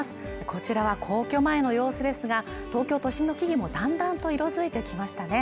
こちらは皇居前の様子ですが東京都心の木々もだんだんと色づいてきましたね